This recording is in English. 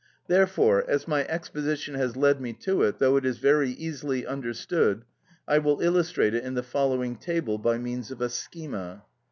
Therefore, as my exposition has led me to it, though it is very easily understood, I will illustrate it in the following table by means of a schema.